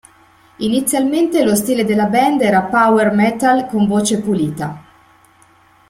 Inizialmente lo stile della band era power metal, con voce pulita.